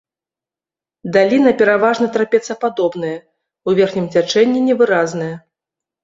Даліна пераважна трапецападобная, у верхнім цячэнні невыразная.